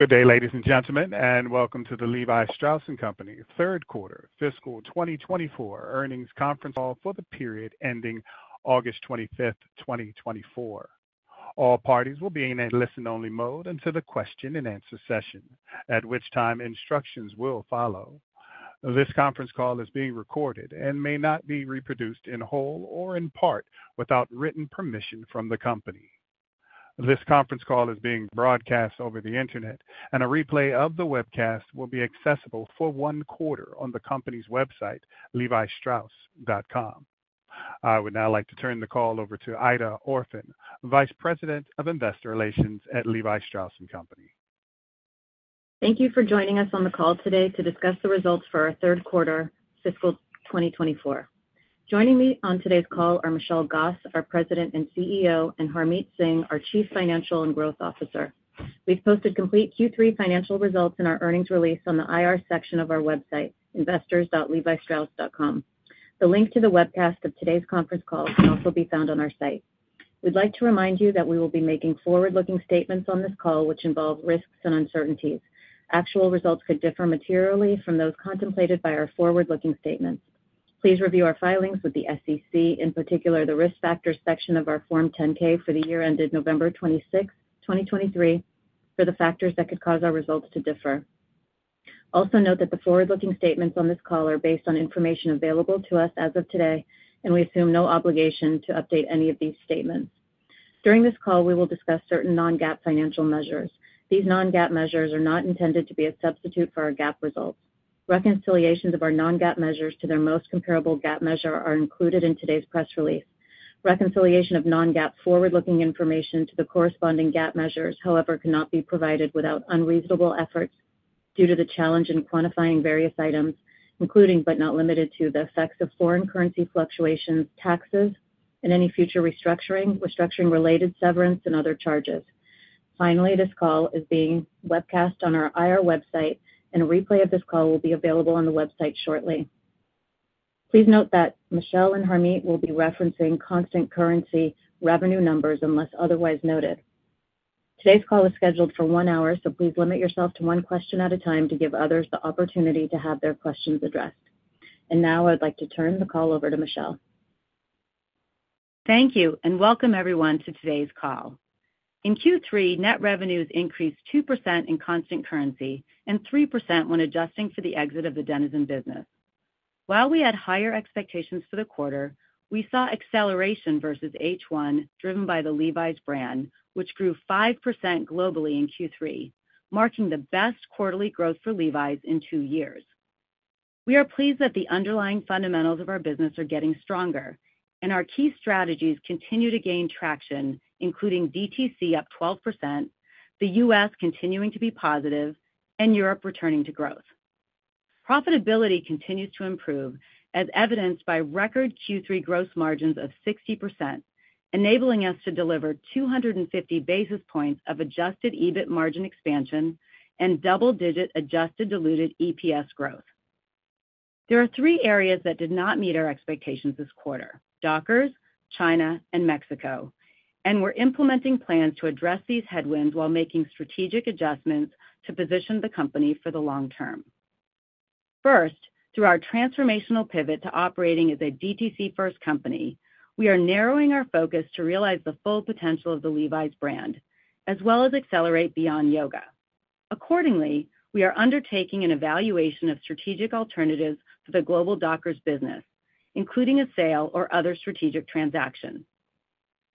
Good day, ladies and gentlemen, and welcome to the Levi Strauss & Co. Third Quarter Fiscal 2024 Earnings Conference Call for the period ending August 25th, 2024. All parties will be in a listen-only mode until the question-and-answer session, at which time instructions will follow. This conference call is being recorded and may not be reproduced in whole or in part without written permission from the company. This conference call is being broadcast over the Internet, and a replay of the webcast will be accessible for one quarter on the company's website, levistrauss.com. I would now like to turn the call over to Aida Orphan, Vice President of Investor Relations at Levi Strauss & Co. Thank you for joining us on the call today to discuss the results for our third quarter fiscal twenty twenty-four. Joining me on today's call are Michelle Gass, our President and CEO, and Harmit Singh, our Chief Financial and Growth Officer. We've posted complete Q3 financial results in our earnings release on the IR section of our website, investors.levistrauss.com. The link to the webcast of today's conference call can also be found on our site. We'd like to remind you that we will be making forward-looking statements on this call, which involve risks and uncertainties. Actual results could differ materially from those contemplated by our forward-looking statements. Please review our filings with the SEC, in particular, the Risk Factors section of our Form 10-K for the year ended November twenty-sixth, twenty twenty-three, for the factors that could cause our results to differ. Also, note that the forward-looking statements on this call are based on information available to us as of today, and we assume no obligation to update any of these statements. During this call, we will discuss certain non-GAAP financial measures. These non-GAAP measures are not intended to be a substitute for our GAAP results. Reconciliations of our non-GAAP measures to their most comparable GAAP measure are included in today's press release. Reconciliation of non-GAAP forward-looking information to the corresponding GAAP measures, however, cannot be provided without unreasonable efforts due to the challenge in quantifying various items, including, but not limited to, the effects of foreign currency fluctuations, taxes, and any future restructuring, restructuring-related severance, and other charges. Finally, this call is being webcast on our IR website, and a replay of this call will be available on the website shortly. Please note that Michelle and Harmit will be referencing constant currency revenue numbers unless otherwise noted. Today's call is scheduled for one hour, so please limit yourself to one question at a time to give others the opportunity to have their questions addressed. And now I'd like to turn the call over to Michelle. Thank you, and welcome everyone to today's call. In Q3, net revenues increased 2% in constant currency and 3% when adjusting for the exit of the Denizen business. While we had higher expectations for the quarter, we saw acceleration versus H1, driven by the Levi's brand, which grew 5% globally in Q3, marking the best quarterly growth for Levi's in two years. We are pleased that the underlying fundamentals of our business are getting stronger and our key strategies continue to gain traction, including DTC up 12%, the U.S. continuing to be positive, and Europe returning to growth. Profitability continues to improve, as evidenced by record Q3 gross margins of 60%, enabling us to deliver 250 basis points of adjusted EBIT margin expansion and double-digit adjusted diluted EPS growth. There are three areas that did not meet our expectations this quarter: Dockers, China, and Mexico, and we're implementing plans to address these headwinds while making strategic adjustments to position the company for the long term. First, through our transformational pivot to operating as a DTC-first company, we are narrowing our focus to realize the full potential of the Levi's brand, as well as accelerate Beyond Yoga. Accordingly, we are undertaking an evaluation of strategic alternatives for the global Dockers business, including a sale or other strategic transaction.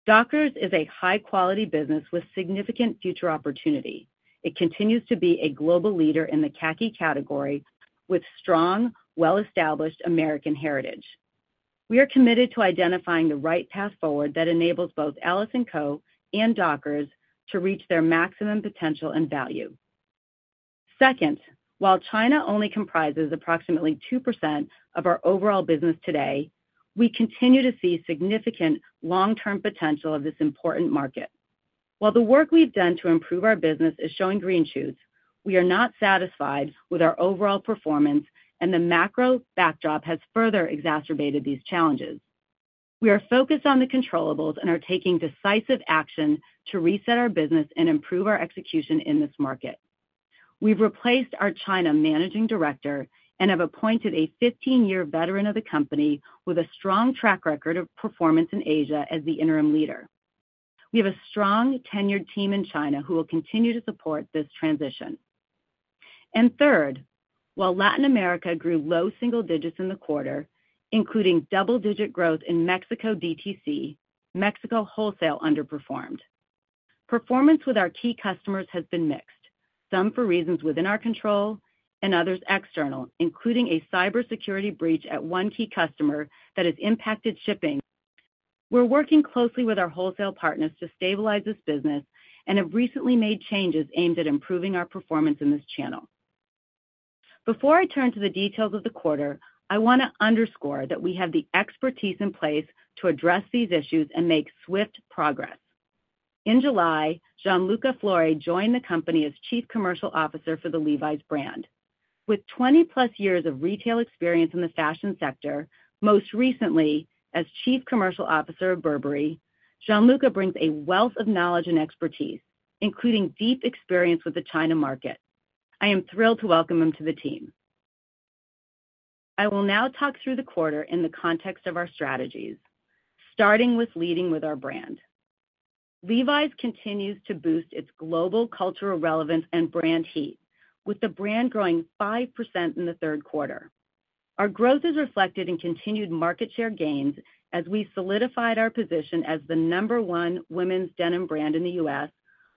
Dockers is a high-quality business with significant future opportunity. It continues to be a global leader in the khaki category with strong, well-established American heritage. We are committed to identifying the right path forward that enables both LS&Co. and Dockers to reach their maximum potential and value. Second, while China only comprises approximately 2% of our overall business today, we continue to see significant long-term potential of this important market. While the work we've done to improve our business is showing green shoots, we are not satisfied with our overall performance, and the macro backdrop has further exacerbated these challenges. We are focused on the controllables and are taking decisive action to reset our business and improve our execution in this market. We've replaced our China managing director and have appointed a fifteen-year veteran of the company with a strong track record of performance in Asia as the interim leader. We have a strong tenured team in China who will continue to support this transition. And third, while Latin America grew low single digits in the quarter, including double-digit growth in Mexico DTC, Mexico wholesale underperformed. Performance with our key customers has been mixed, some for reasons within our control and others external, including a cybersecurity breach at one key customer that has impacted shipping. We're working closely with our wholesale partners to stabilize this business and have recently made changes aimed at improving our performance in this channel. Before I turn to the details of the quarter, I want to underscore that we have the expertise in place to address these issues and make swift progress. In July, Gianluca Flore joined the company as Chief Commercial Officer for the Levi's brand. With twenty plus years of retail experience in the fashion sector, most recently as Chief Commercial Officer of Burberry, Gianluca brings a wealth of knowledge and expertise, including deep experience with the China market. I am thrilled to welcome him to the team. I will now talk through the quarter in the context of our strategies, starting with leading with our brand. Levi's continues to boost its global cultural relevance and brand heat, with the brand growing 5% in the third quarter. Our growth is reflected in continued market share gains as we solidified our position as the number one women's denim brand in the U.S.,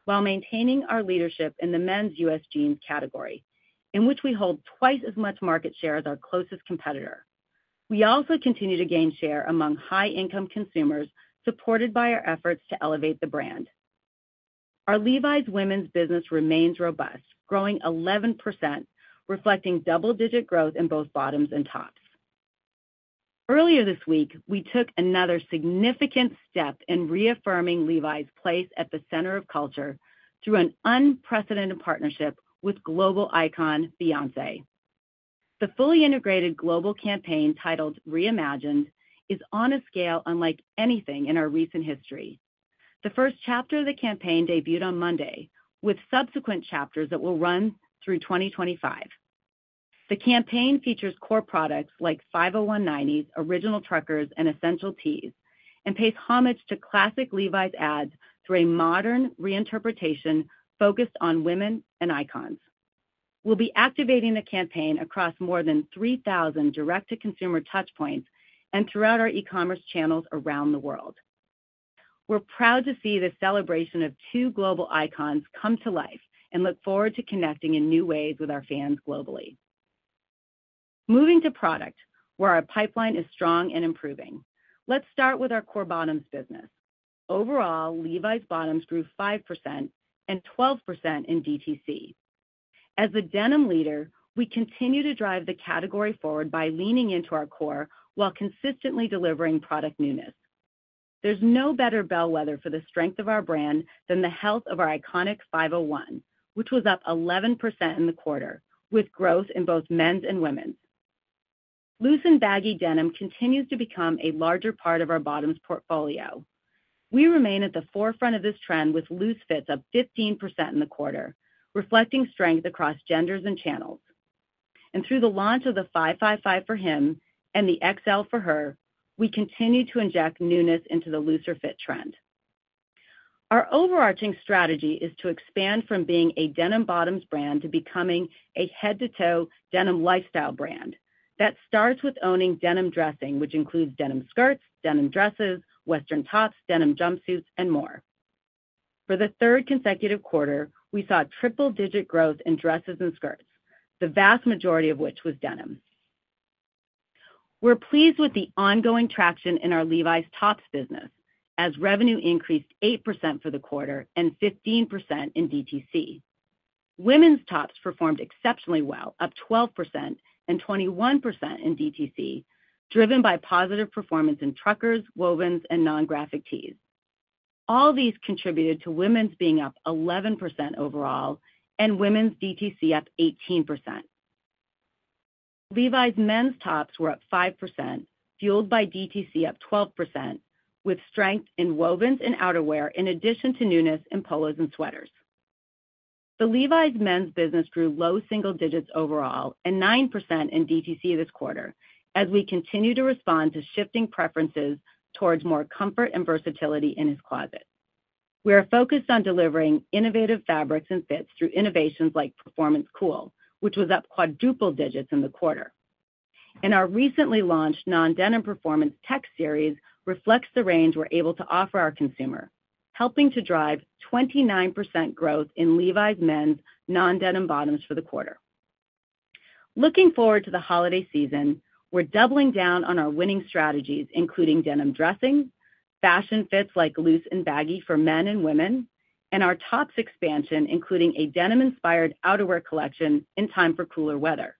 while maintaining our leadership in the men's U.S. jeans category, in which we hold twice as much market share as our closest competitor. We also continue to gain share among high-income consumers, supported by our efforts to elevate the brand. Our Levi's women's business remains robust, growing 11%, reflecting double-digit growth in both bottoms and tops. Earlier this week, we took another significant step in reaffirming Levi's place at the center of culture through an unprecedented partnership with global icon, Beyoncé. The fully integrated global campaign, titled Reimagine, is on a scale unlike anything in our recent history. The first chapter of the campaign debuted on Monday, with subsequent chapters that will run through 2025. The campaign features core products like 501 1990's, Original Truckers, and Essential Tees, and pays homage to classic Levi's ads through a modern reinterpretation focused on women and icons. We'll be activating the campaign across more than 3,000 direct-to-consumer touchpoints and throughout our e-commerce channels around the world. We're proud to see this celebration of two global icons come to life and look forward to connecting in new ways with our fans globally. Moving to product, where our pipeline is strong and improving. Let's start with our core bottoms business. Overall, Levi's bottoms grew 5% and 12% in DTC. As a denim leader, we continue to drive the category forward by leaning into our core while consistently delivering product newness. There's no better bellwether for the strength of our brand than the health of our iconic 501, which was up 11% in the quarter, with growth in both men's and women's. Loose and baggy denim continues to become a larger part of our bottoms portfolio. We remain at the forefront of this trend, with loose fits up 15% in the quarter, reflecting strength across genders and channels, and through the launch of the 555 for him and the XL for her, we continue to inject newness into the looser fit trend. Our overarching strategy is to expand from being a denim bottoms brand to becoming a head-to-toe denim lifestyle brand. That starts with owning denim dressing, which includes denim skirts, denim dresses, western tops, denim jumpsuits, and more. For the third consecutive quarter, we saw triple-digit growth in dresses and skirts, the vast majority of which was denim. We're pleased with the ongoing traction in our Levi's tops business, as revenue increased 8% for the quarter and 15% in DTC. Women's tops performed exceptionally well, up 12% and 21% in DTC, driven by positive performance in truckers, wovens, and non-graphic tees. All these contributed to women's being up 11% overall and women's DTC up 18%. Levi's men's tops were up 5%, fueled by DTC up 12%, with strength in wovens and outerwear, in addition to newness in polos and sweaters. The Levi's men's business grew low single digits overall and 9% in DTC this quarter, as we continue to respond to shifting preferences towards more comfort and versatility in his closet. We are focused on delivering innovative fabrics and fits through innovations like Performance Cool, which was up quadruple digits in the quarter, and our recently launched non-denim performance tech series reflects the range we're able to offer our consumer, helping to drive 29% growth in Levi's men's non-denim bottoms for the quarter. Looking forward to the holiday season, we're doubling down on our winning strategies, including denim dressing, fashion fits like loose and baggy for men and women, and our tops expansion, including a denim-inspired outerwear collection in time for cooler weather.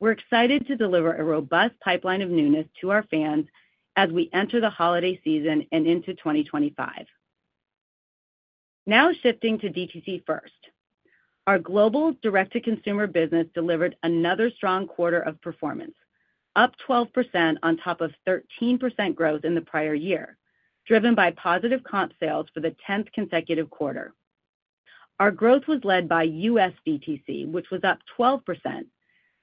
We're excited to deliver a robust pipeline of newness to our fans as we enter the holiday season and into 2025. Now shifting to DTC first. Our global direct-to-consumer business delivered another strong quarter of performance, up 12% on top of 13% growth in the prior year, driven by positive comp sales for the 10th consecutive quarter. Our growth was led by U.S. DTC, which was up 12%,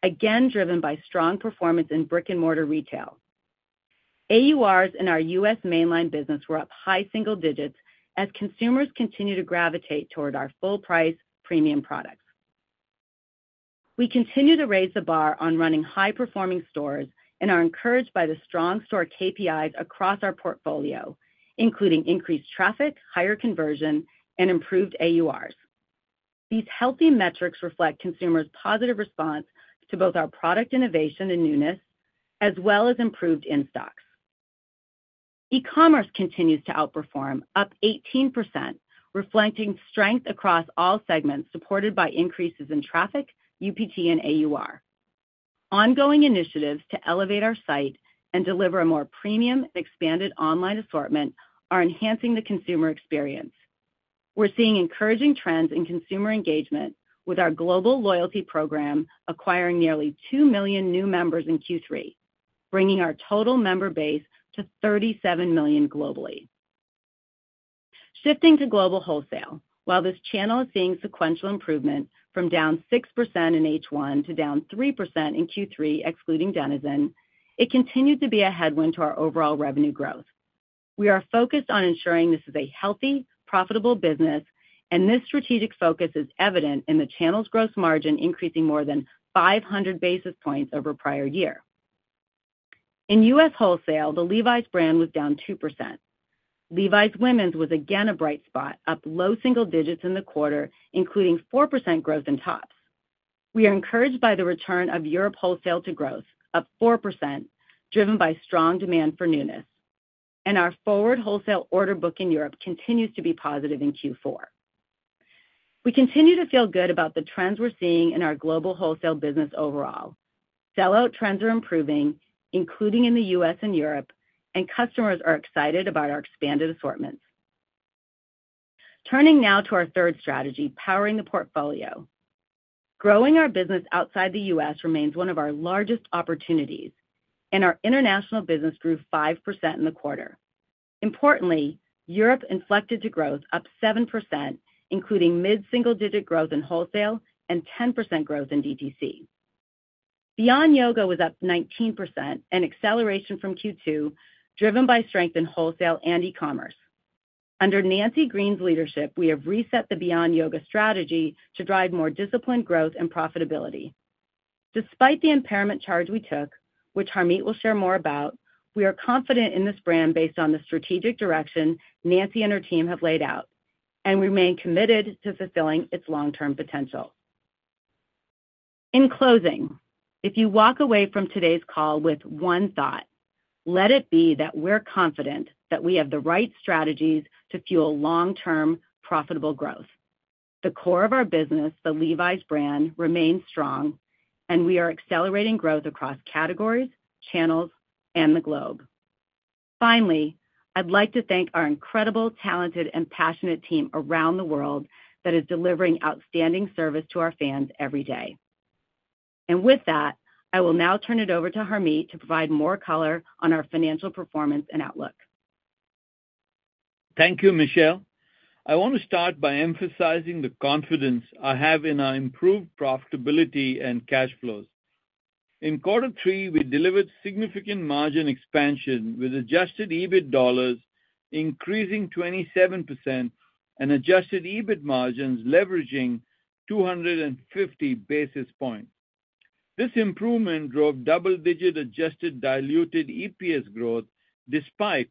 again, driven by strong performance in brick-and-mortar retail. AURs in our U.S. mainline business were up high single digits as consumers continue to gravitate toward our full-price, premium products. We continue to raise the bar on running high-performing stores and are encouraged by the strong store KPIs across our portfolio, including increased traffic, higher conversion, and improved AURs. These healthy metrics reflect consumers' positive response to both our product innovation and newness, as well as improved in-stocks. E-commerce continues to outperform, up 18%, reflecting strength across all segments, supported by increases in traffic, UPT, and AUR.... Ongoing initiatives to elevate our site and deliver a more premium, expanded online assortment are enhancing the consumer experience. We're seeing encouraging trends in consumer engagement, with our global loyalty program acquiring nearly 2 million new members in Q3, bringing our total member base to 37 million globally. Shifting to global wholesale. While this channel is seeing sequential improvement from down 6% in H1 to down 3% in Q3, excluding Denizen, it continued to be a headwind to our overall revenue growth. We are focused on ensuring this is a healthy, profitable business, and this strategic focus is evident in the channel's gross margin, increasing more than 500 basis points over prior year. In U.S. wholesale, the Levi's brand was down 2%. Levi's Women's was again a bright spot, up low single digits in the quarter, including 4% growth in tops. We are encouraged by the return of Europe wholesale to growth, up 4%, driven by strong demand for newness, and our forward wholesale order book in Europe continues to be positive in Q4. We continue to feel good about the trends we're seeing in our global wholesale business overall. Sell-out trends are improving, including in the U.S. and Europe, and customers are excited about our expanded assortments. Turning now to our third strategy, powering the portfolio. Growing our business outside the U.S. remains one of our largest opportunities, and our international business grew 5% in the quarter. Importantly, Europe inflected to growth, up 7%, including mid-single-digit growth in wholesale and 10% growth in DTC. Beyond Yoga was up 19%, an acceleration from Q2, driven by strength in wholesale and e-commerce. Under Nancy Green's leadership, we have reset the Beyond Yoga strategy to drive more disciplined growth and profitability. Despite the impairment charge we took, which Harmit will share more about, we are confident in this brand based on the strategic direction Nancy and her team have laid out, and remain committed to fulfilling its long-term potential. In closing, if you walk away from today's call with one thought, let it be that we're confident that we have the right strategies to fuel long-term, profitable growth. The core of our business, the Levi's brand, remains strong, and we are accelerating growth across categories, channels, and the globe. Finally, I'd like to thank our incredible, talented, and passionate team around the world that is delivering outstanding service to our fans every day. With that, I will now turn it over to Harmit to provide more color on our financial performance and outlook. Thank you, Michelle. I want to start by emphasizing the confidence I have in our improved profitability and cash flows. In quarter three, we delivered significant margin expansion, with adjusted EBIT dollars increasing 27% and adjusted EBIT margins leveraging 250 basis points. This improvement drove double-digit adjusted diluted EPS growth, despite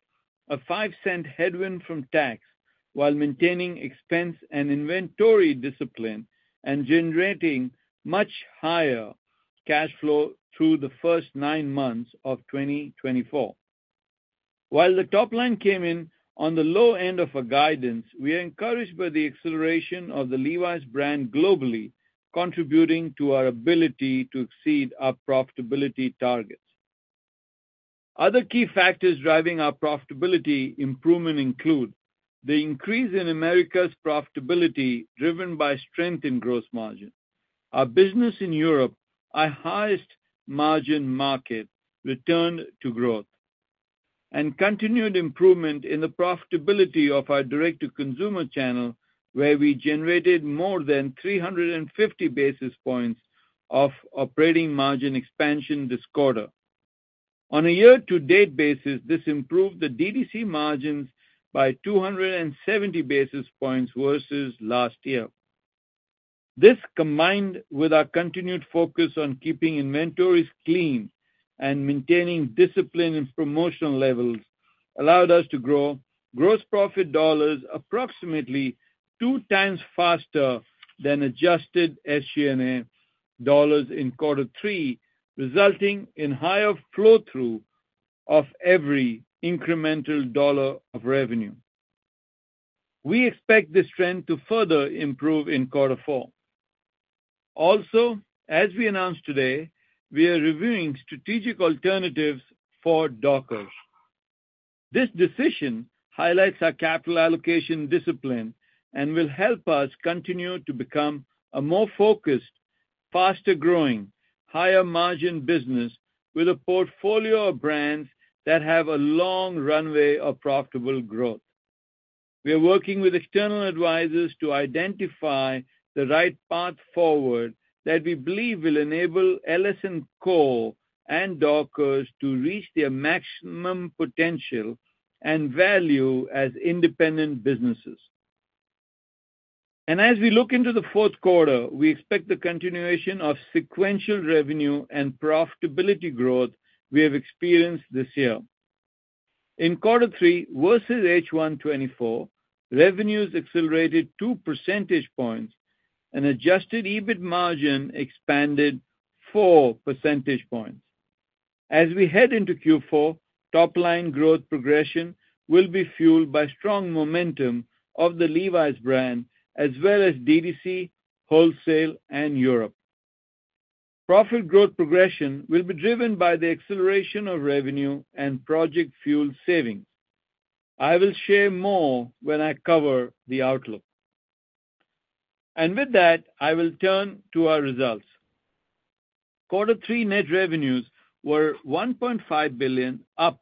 a $0.05 headwind from tax, while maintaining expense and inventory discipline and generating much higher cash flow through the first nine months of 2024. While the top line came in on the low end of our guidance, we are encouraged by the acceleration of the Levi's brand globally, contributing to our ability to exceed our profitability targets. Other key factors driving our profitability improvement include: the increase in Americas profitability, driven by strength in gross margin. Our business in Europe, our highest margin market, returned to growth. Continued improvement in the profitability of our direct-to-consumer channel, where we generated more than three hundred and fifty basis points of operating margin expansion this quarter. On a year-to-date basis, this improved the DDC margins by two hundred and seventy basis points versus last year. This, combined with our continued focus on keeping inventories clean and maintaining discipline in promotional levels, allowed us to grow gross profit dollars approximately two times faster than adjusted SG&A dollars in quarter three, resulting in higher flow-through of every incremental dollar of revenue. We expect this trend to further improve in quarter four. Also, as we announced today, we are reviewing strategic alternatives for Dockers. This decision highlights our capital allocation discipline and will help us continue to become a more focused, faster-growing, higher-margin business with a portfolio of brands that have a long runway of profitable growth. We are working with external advisors to identify the right path forward that we believe will enable Signature and Dockers to reach their maximum potential and value as independent businesses. And as we look into the fourth quarter, we expect the continuation of sequential revenue and profitability growth we have experienced this year. In quarter three versus H1 2024, revenues accelerated two percentage points, and adjusted EBIT margin expanded four percentage points. As we head into Q4, top line growth progression will be fueled by strong momentum of the Levi's brand, as well as DTC, wholesale, and Europe. Profit growth progression will be driven by the acceleration of revenue and Project Fuel savings. I will share more when I cover the outlook. And with that, I will turn to our results. Quarter three net revenues were $1.5 billion, up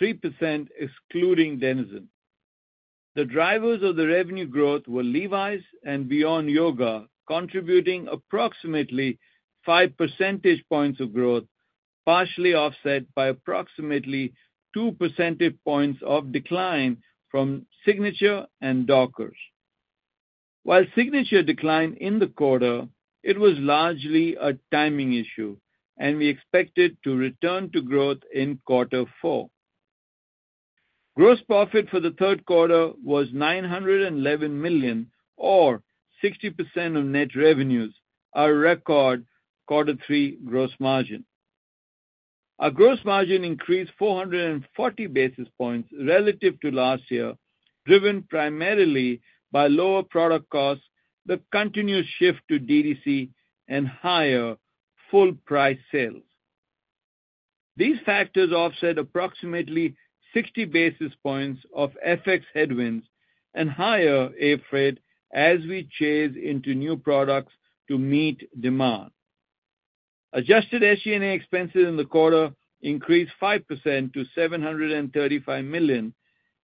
3% excluding Denizen. The drivers of the revenue growth were Levi's and Beyond Yoga, contributing approximately 5 percentage points of growth, partially offset by approximately 2 percentage points of decline from Signature and Dockers. While Signature declined in the quarter, it was largely a timing issue, and we expect it to return to growth in quarter four. Gross profit for the third quarter was $911 million, or 60% of net revenues, our record quarter three gross margin. Our gross margin increased 440 basis points relative to last year, driven primarily by lower product costs, the continuous shift to DTC, and higher full price sales. These factors offset approximately 60 basis points of FX headwinds and higher air freight as we chase into new products to meet demand. Adjusted SG&A expenses in the quarter increased 5% to $735 million,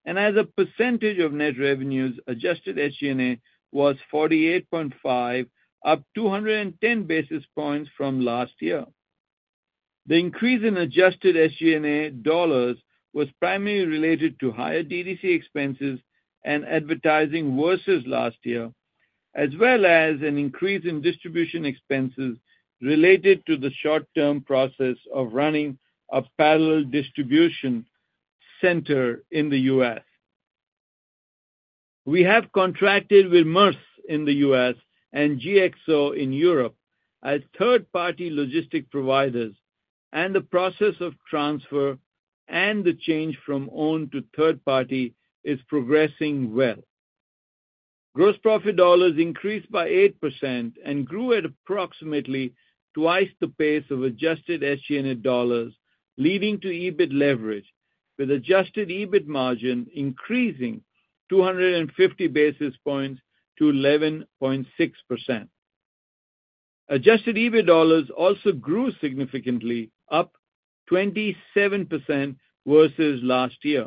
and as a percentage of net revenues, adjusted SG&A was 48.5%, up 210 basis points from last year. The increase in adjusted SG&A dollars was primarily related to higher DTC expenses and advertising versus last year, as well as an increase in distribution expenses related to the short-term process of running a parallel distribution center in the US. We have contracted with Maersk in the U.S. and GXO in Europe as third-party logistics providers, and the process of transfer and the change from owned to third party is progressing well. Gross profit dollars increased by 8% and grew at approximately twice the pace of adjusted SG&A dollars, leading to EBIT leverage, with adjusted EBIT margin increasing 250 basis points to 11.6%. Adjusted EBIT dollars also grew significantly, up 27% versus last year.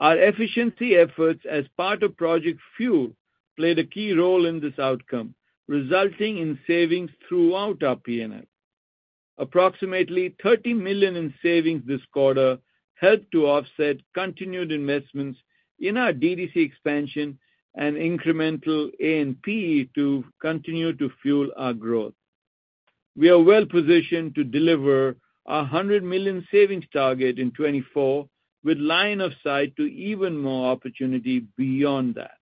Our efficiency efforts as part of Project Fuel played a key role in this outcome, resulting in savings throughout our P&L. Approximately $30 million in savings this quarter helped to offset continued investments in our DTC expansion and incremental A&P to continue to fuel our growth. We are well positioned to deliver a $100 million savings target in 2024, with line of sight to even more opportunity beyond that.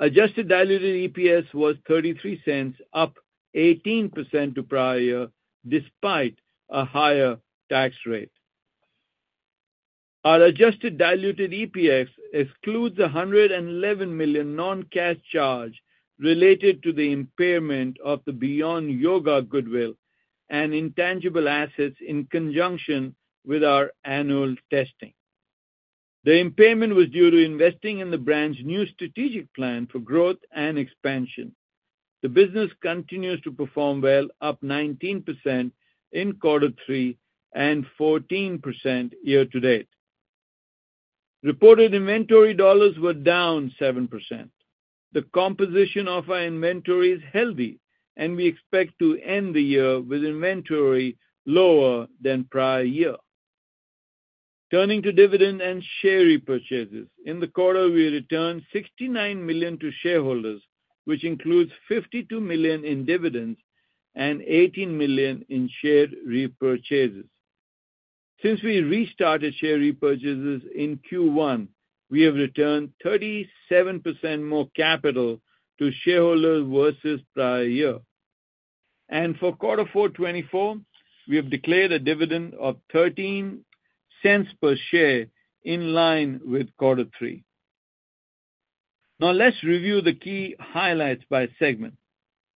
Adjusted diluted EPS was $0.33, up 18% to prior year, despite a higher tax rate. Our adjusted diluted EPS excludes a $111 million non-cash charge related to the impairment of the Beyond Yoga goodwill and intangible assets in conjunction with our annual testing. The impairment was due to investing in the brand's new strategic plan for growth and expansion. The business continues to perform well, up 19% in quarter three and 14% year to date. Reported inventory dollars were down 7%. The composition of our inventory is healthy, and we expect to end the year with inventory lower than prior year. Turning to dividend and share repurchases. In the quarter, we returned $69 million to shareholders, which includes $52 million in dividends and $18 million in share repurchases. Since we restarted share repurchases in Q1, we have returned 37% more capital to shareholders versus prior year and for quarter four 2024, we have declared a dividend of $0.13 per share, in line with quarter three. Now, let's review the key highlights by segment.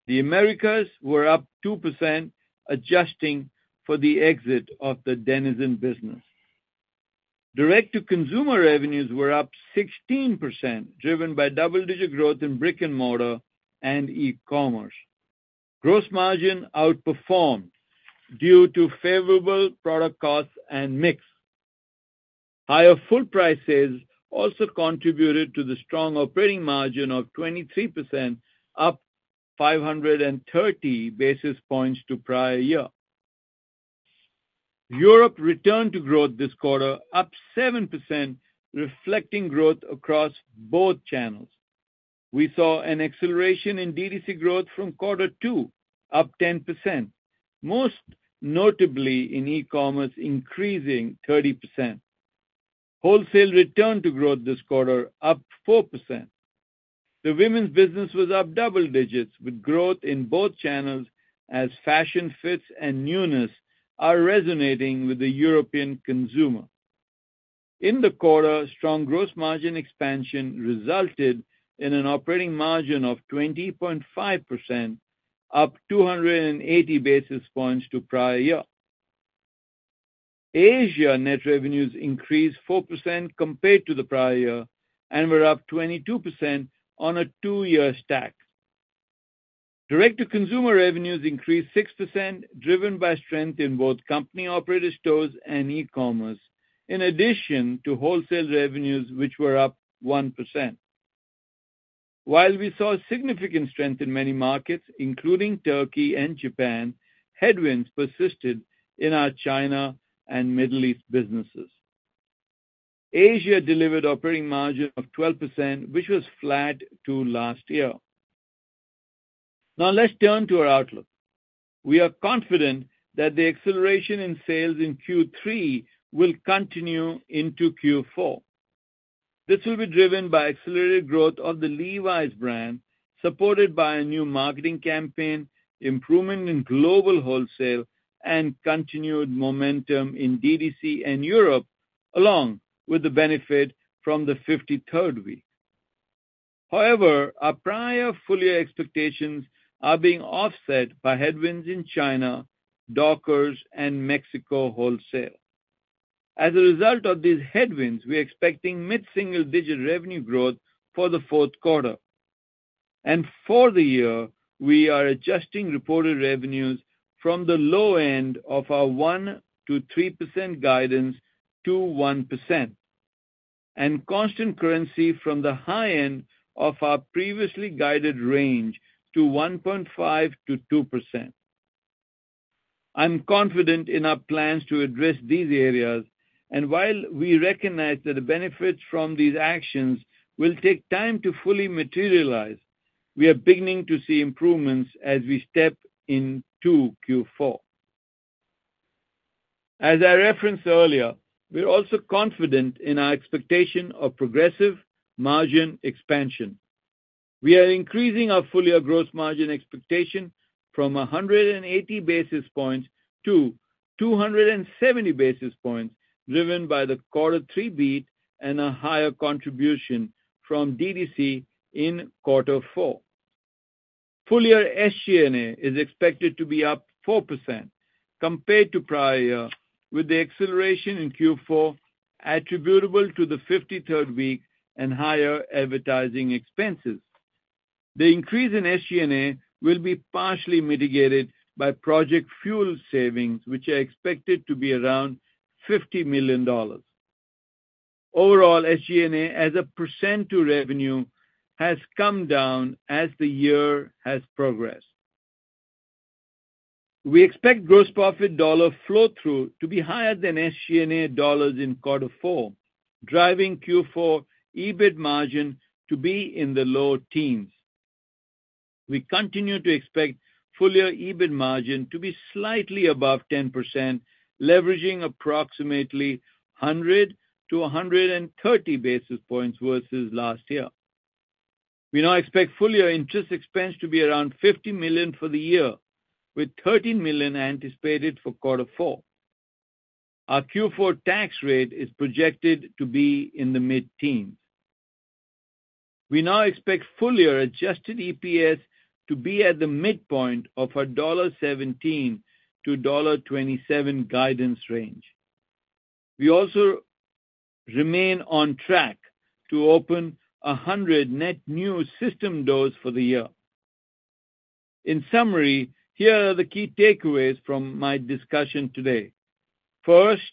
The Americas were up 2%, adjusting for the exit of the Denizen business. Direct-to-consumer revenues were up 16%, driven by double-digit growth in brick-and-mortar and e-commerce. Gross margin outperformed due to favorable product costs and mix. Higher full prices also contributed to the strong operating margin of 23%, up five hundred and thirty basis points to prior year. Europe returned to growth this quarter, up 7%, reflecting growth across both channels. We saw an acceleration in DTC growth from quarter two, up 10%, most notably in e-commerce, increasing 30%. Wholesale returned to growth this quarter, up 4%. The women's business was up double digits, with growth in both channels as fashion fits and newness are resonating with the European consumer. In the quarter, strong gross margin expansion resulted in an operating margin of 20.5%, up two hundred and eighty basis points to prior year. Asia net revenues increased 4% compared to the prior year, and were up 22% on a two-year stack. Direct-to-consumer revenues increased 6%, driven by strength in both company-operated stores and e-commerce, in addition to wholesale revenues, which were up 1%. While we saw significant strength in many markets, including Turkey and Japan, headwinds persisted in our China and Middle East businesses. Asia delivered operating margin of 12%, which was flat to last year. Now let's turn to our outlook. We are confident that the acceleration in sales in Q3 will continue into Q4. This will be driven by accelerated growth of the Levi's brand, supported by a new marketing campaign, improvement in global wholesale, and continued momentum in DTC and Europe, along with the benefit from the fifty-third week. However, our prior full year expectations are being offset by headwinds in China, Dockers, and Mexico wholesale. As a result of these headwinds, we're expecting mid-single-digit revenue growth for the fourth quarter. For the year, we are adjusting reported revenues from the low end of our 1-3% guidance to 1%, and constant currency from the high end of our previously guided range to 1.5-2%. I'm confident in our plans to address these areas, and while we recognize that the benefits from these actions will take time to fully materialize, we are beginning to see improvements as we step into Q4. As I referenced earlier, we're also confident in our expectation of progressive margin expansion. We are increasing our full-year gross margin expectation from 180 basis points-270 basis points, driven by the quarter three beat and a higher contribution from DTC in quarter four. Full-year SG&A is expected to be up 4% compared to prior year, with the acceleration in Q4 attributable to the fifty-third week and higher advertising expenses. The increase in SG&A will be partially mitigated by Project Fuel savings, which are expected to be around $50 million. Overall, SG&A, as a percent to revenue, has come down as the year has progressed. We expect gross profit dollar flow-through to be higher than SG&A dollars in quarter four, driving Q4 EBIT margin to be in the low teens. We continue to expect full-year EBIT margin to be slightly above 10%, leveraging approximately 100-130 basis points versus last year. We now expect full-year interest expense to be around $50 million for the year, with $13 million anticipated for quarter four. Our Q4 tax rate is projected to be in the mid-teens. We now expect full-year adjusted EPS to be at the midpoint of our $17-$27 guidance range. We also remain on track to open 100 net new system doors for the year. In summary, here are the key takeaways from my discussion today. First,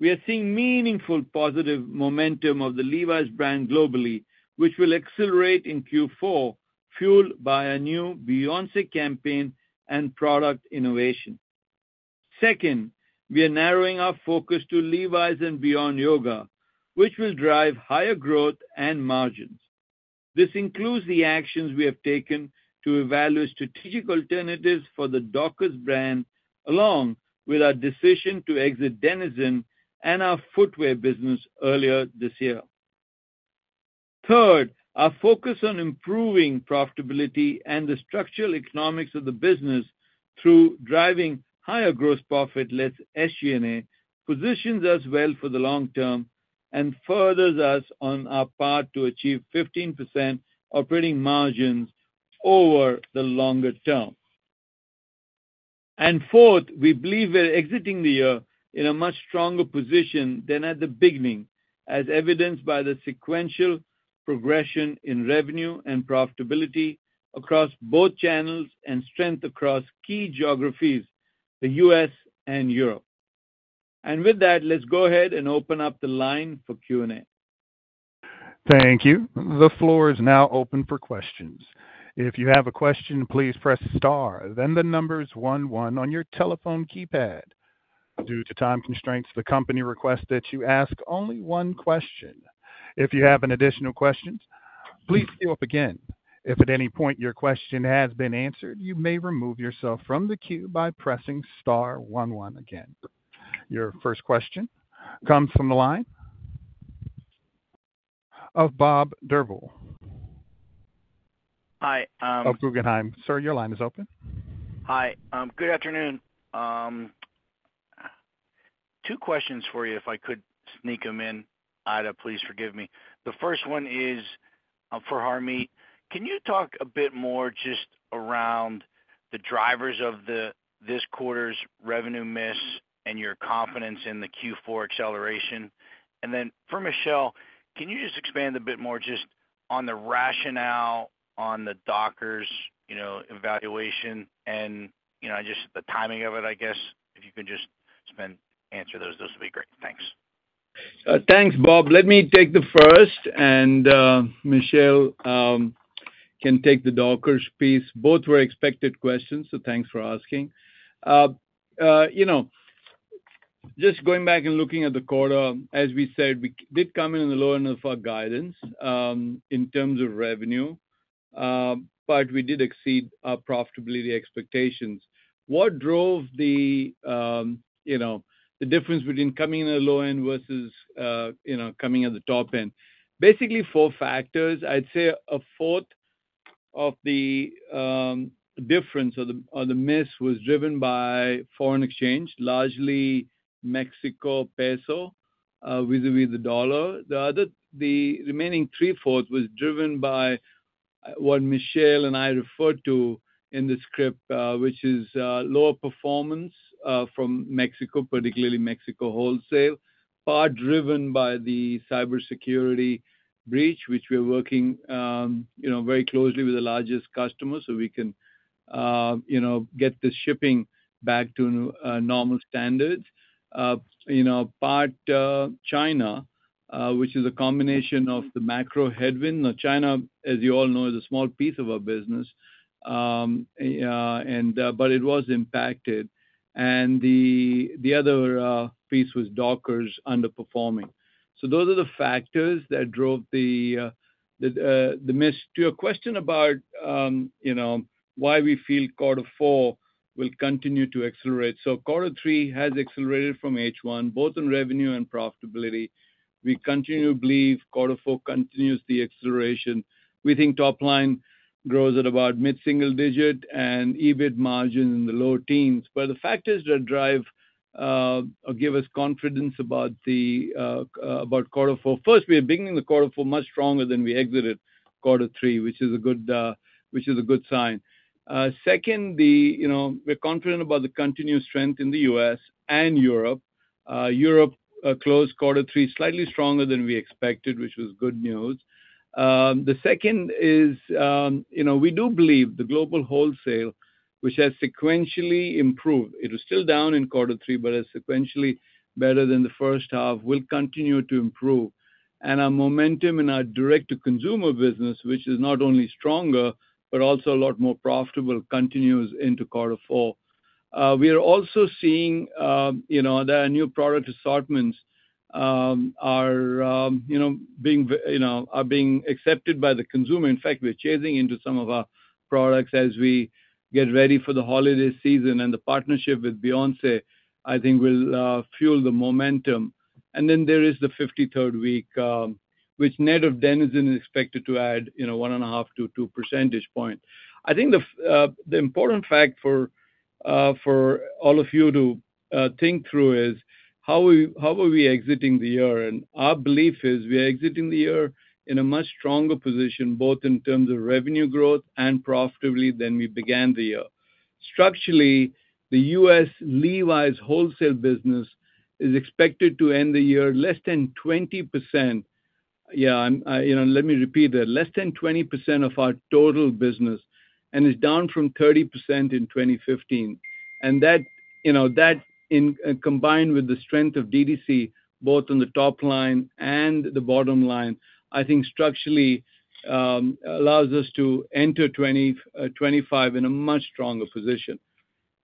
we are seeing meaningful positive momentum of the Levi's brand globally, which will accelerate in Q4, fueled by a new Beyoncé campaign and product innovation. Second, we are narrowing our focus to Levi's and Beyond Yoga, which will drive higher growth and margins. This includes the actions we have taken to evaluate strategic alternatives for the Dockers brand, along with our decision to exit Denizen and our footwear business earlier this year. Third, our focus on improving profitability and the structural economics of the business through driving higher gross profit, less SG&A, positions us well for the long term and furthers us on our path to achieve 15% operating margins over the longer term. And fourth, we believe we're exiting the year in a much stronger position than at the beginning, as evidenced by the sequential progression in revenue and profitability across both channels and strength across key geographies, the U.S. and Europe. And with that, let's go ahead and open up the line for Q&A. Thank you. The floor is now open for questions. If you have a question, please press star, then the numbers one, one on your telephone keypad. Due to time constraints, the company requests that you ask only one question. If you have an additional question, please stay up again. If at any point your question has been answered, you may remove yourself from the queue by pressing star one one again. Your first question comes from the line of Bob Drbul. Hi, um. Of Guggenheim. Sir, your line is open. Hi, good afternoon. Two questions for you, if I could sneak them in. Aida, please forgive me. The first one is, for Harmit. Can you talk a bit more just around the drivers of the, this quarter's revenue miss and your confidence in the Q4 acceleration? And then for Michelle, can you just expand a bit more just on the rationale on the Dockers, you know, evaluation and, you know, just the timing of it, I guess. If you could just answer those, those would be great. Thanks. Thanks, Bob. Let me take the first, and Michelle can take the Dockers piece. Both were expected questions, so thanks for asking. You know, just going back and looking at the quarter, as we said, we did come in in the lower end of our guidance, in terms of revenue, but we did exceed our profitability expectations. What drove the, you know, the difference between coming in the low end versus, you know, coming at the top end? Basically, four factors. I'd say a fourth of the difference or the miss was driven by foreign exchange, largely Mexico peso, vis-a-vis the dollar. The other, the remaining three-fourths was driven by what Michelle and I referred to in the script, which is lower performance from Mexico, particularly Mexico wholesale, part driven by the cybersecurity breach, which we're working, you know, very closely with the largest customer so we can, you know, get the shipping back to normal standards. You know, part China, which is a combination of the macro headwind. Now, China, as you all know, is a small piece of our business, and but it was impacted, and the other piece was Dockers underperforming. So those are the factors that drove the miss. To your question about, you know, why we feel quarter four will continue to accelerate. So quarter three has accelerated from H1, both in revenue and profitability. We continue to believe quarter four continues the acceleration. We think top line grows at about mid-single digit and EBIT margin in the low teens. But the factors that drive, or give us confidence about the about quarter four. First, we are beginning the quarter four much stronger than we exited quarter three, which is a good sign. Second, you know, we're confident about the continued strength in the U.S. and Europe. Europe closed quarter three, slightly stronger than we expected, which was good news. The second is, you know, we do believe the global wholesale, which has sequentially improved. It was still down in quarter three, but it's sequentially better than the first half, will continue to improve. And our momentum in our direct-to-consumer business, which is not only stronger, but also a lot more profitable, continues into quarter four. We are also seeing, you know, there are new product assortments, you know, being, you know, are being accepted by the consumer. In fact, we're chasing into some of our products as we get ready for the holiday season, and the partnership with Beyoncé, I think will fuel the momentum. And then there is the fifty-third week, which net of then is expected to add, you know, one and a half to two percentage point. I think the important fact for all of you to think through is, how are we exiting the year? And our belief is we are exiting the year in a much stronger position, both in terms of revenue growth and profitability than we began the year. Structurally, the U.S. Levi's wholesale business is expected to end the year less than 20%. Yeah, you know, let me repeat that. Less than 20% of our total business, and is down from 30% in 2015. And that, you know, that combined with the strength of DTC, both on the top line and the bottom line, I think structurally allows us to enter 2025 in a much stronger position.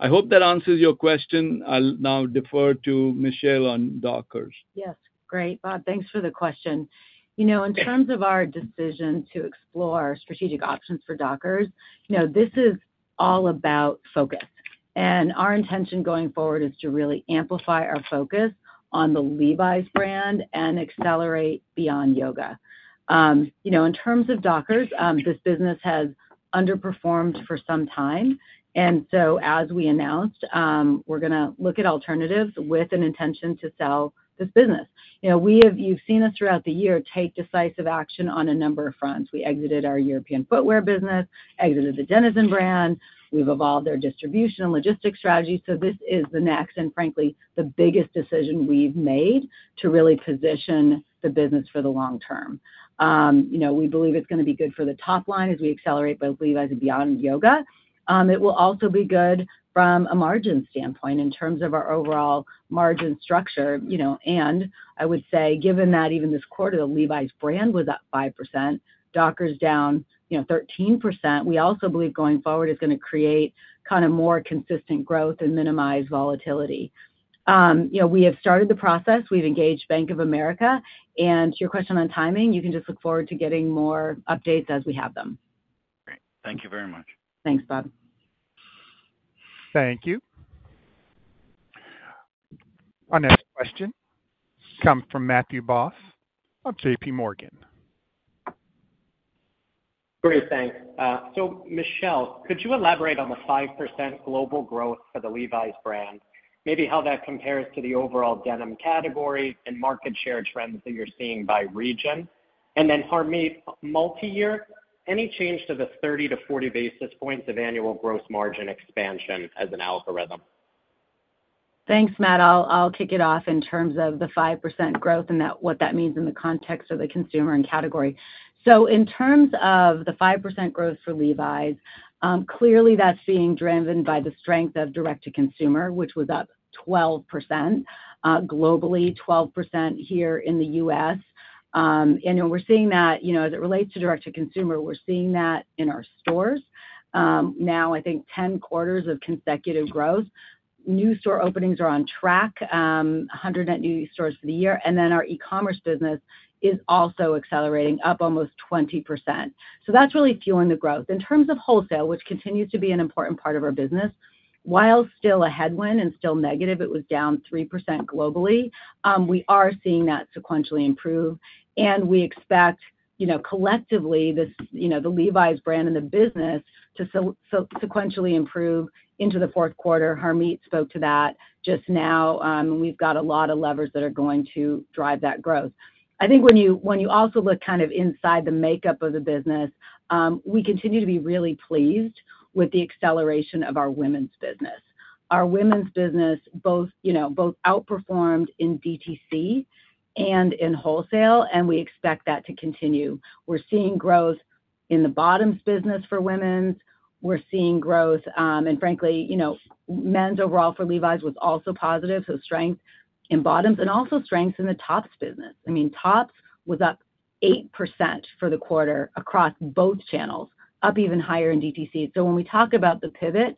I hope that answers your question. I'll now defer to Michelle on Dockers. Yes. Great, Bob. Thanks for the question. You know, in terms of our decision to explore strategic options for Dockers, you know, this is all about focus, and our intention going forward is to really amplify our focus on the Levi's brand and accelerate Beyond Yoga. You know, in terms of Dockers, this business has underperformed for some time, and so as we announced, we're gonna look at alternatives with an intention to sell this business. You know, we have. You've seen us throughout the year, take decisive action on a number of fronts. We exited our European footwear business, exited the Denizen brand. We've evolved our distribution and logistics strategy. So this is the next, and frankly, the biggest decision we've made to really position the business for the long term. You know, we believe it's gonna be good for the top line as we accelerate both Levi's and Beyond Yoga. It will also be good from a margin standpoint in terms of our overall margin structure, you know, and I would say, given that even this quarter, the Levi's brand was up 5%, Dockers down, you know, 13%. We also believe going forward is gonna create kind of more consistent growth and minimize volatility. You know, we have started the process. We've engaged Bank of America, and to your question on timing, you can just look forward to getting more updates as we have them. Great. Thank you very much. Thanks, Bob. Thank you. Our next question comes from Matthew Boss of J.P. Morgan. Great, thanks. So Michelle, could you elaborate on the 5% global growth for the Levi's brand? Maybe how that compares to the overall denim category and market share trends that you're seeing by region. And then, Harmit, multi-year, any change to the 30-40 basis points of annual gross margin expansion as an algorithm? Thanks, Matt. I'll kick it off in terms of the 5% growth and that, what that means in the context of the consumer and category. So in terms of the 5% growth for Levi's, clearly, that's being driven by the strength of direct-to-consumer, which was up 12% globally, 12% here in the US. And we're seeing that, you know, as it relates to direct-to-consumer, we're seeing that in our stores. Now, I think 10 quarters of consecutive growth. New store openings are on track, 100 net new stores for the year. And then our e-commerce business is also accelerating, up almost 20%. So that's really fueling the growth. In terms of wholesale, which continues to be an important part of our business, while still a headwind and still negative, it was down 3% globally. We are seeing that sequentially improve, and we expect, you know, collectively, this, you know, the Levi's brand and the business to sequentially improve into the fourth quarter. Harmit spoke to that just now. We've got a lot of levers that are going to drive that growth. I think when you, when you also look kind of inside the makeup of the business, we continue to be really pleased with the acceleration of our women's business. Our women's business, both, you know, both outperformed in DTC and in wholesale, and we expect that to continue. We're seeing growth in the bottoms business for women's. We're seeing growth, and frankly, you know, men's overall for Levi's was also positive, so strength in bottoms and also strengths in the tops business. I mean, tops was up eight% for the quarter across both channels, up even higher in DTC. So when we talk about the pivot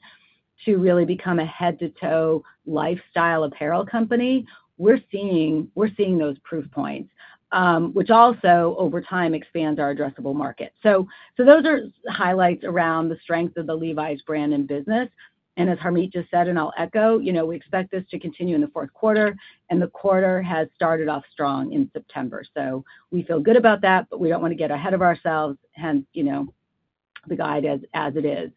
to really become a head-to-toe lifestyle apparel company, we're seeing, we're seeing those proof points, which also, over time, expands our addressable market. So, so those are highlights around the strength of the Levi's brand and business. And as Harmit just said, and I'll echo, you know, we expect this to continue in the fourth quarter, and the quarter has started off strong in September. So we feel good about that, but we don't want to get ahead of ourselves, hence, you know, the guide as, as it is. You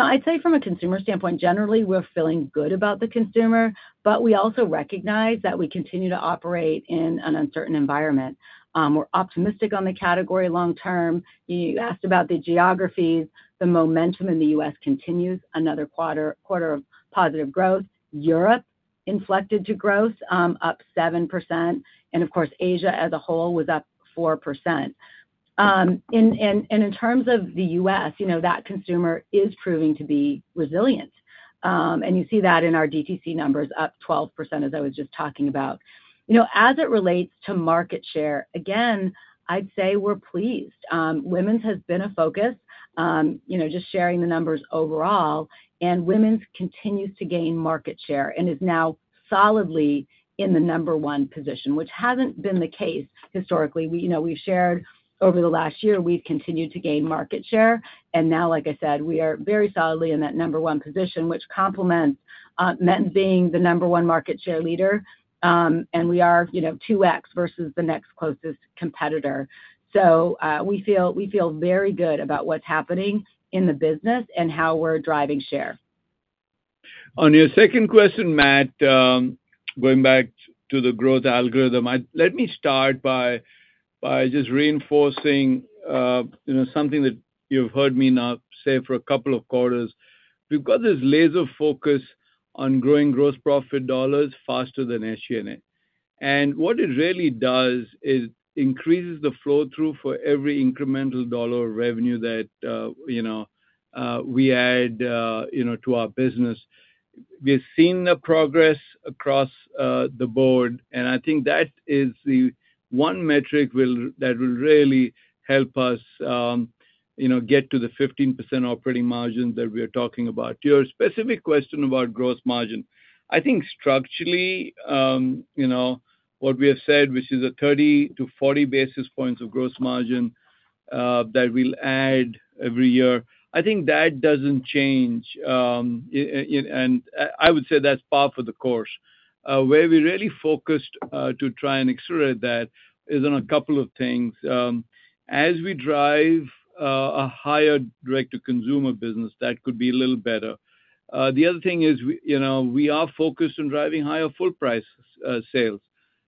know, I'd say from a consumer standpoint, generally, we're feeling good about the consumer, but we also recognize that we continue to operate in an uncertain environment. We're optimistic on the category long term. You asked about the geographies. The momentum in the U.S. continues, another quarter of positive growth. Europe inflected to growth, up 7%, and of course, Asia as a whole was up 4%. And in terms of the U.S., you know, that consumer is proving to be resilient, and you see that in our DTC numbers, up 12%, as I was just talking about. You know, as it relates to market share, again, I'd say we're pleased. Women's has been a focus, you know, just sharing the numbers overall, and women's continues to gain market share and is now solidly in the number one position, which hasn't been the case historically. We, you know, we've shared over the last year, we've continued to gain market share, and now, like I said, we are very solidly in that number one position, which complements men being the number one market share leader. And we are, you know, two X versus the next closest competitor. So, we feel very good about what's happening in the business and how we're driving share. On your second question, Matt, going back to the growth algorithm, let me start by just reinforcing, you know, something that you've heard me now say for a couple of quarters. We've got this laser focus on growing gross profit dollars faster than SG&A. And what it really does is increases the flow-through for every incremental dollar of revenue that, you know, we add, you know, to our business. We've seen the progress across the board, and I think that is the one metric that will really help us, you know, get to the 15% operating margin that we are talking about. To your specific question about gross margin, I think structurally, you know, what we have said, which is a 30-40 basis points of gross margin, that we'll add every year, I think that doesn't change, and I would say that's par for the course. Where we're really focused to try and accelerate that is on a couple of things. As we drive a higher direct-to-consumer business, that could be a little better. The other thing is we, you know, we are focused on driving higher full price sales,